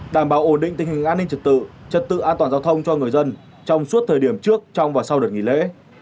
đảm bảo ổn định tình hình an ninh trật tự trật tự an toàn giao thông cho người dân trong suốt thời điểm trước trong và sau đợt nghỉ lễ